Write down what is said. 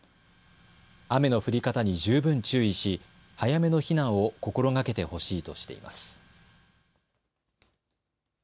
雨の降り方に十分注意し早めの避難を心がけてほしいとしています。